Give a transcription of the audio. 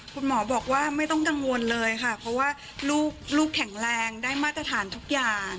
คุณหมอบอกว่าไม่ต้องกังวลเลยค่ะเพราะว่าลูกแข็งแรงได้มาตรฐานทุกอย่าง